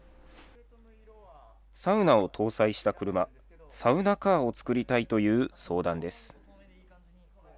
サウナを搭載した車、サウナカーを作りたいという相談です。